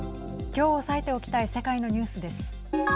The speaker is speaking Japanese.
きょう押さえておきたい世界のニュースです。